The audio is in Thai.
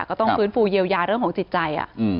ก็ต้องฟื้นฟูเยียวยาเรื่องของจิตใจ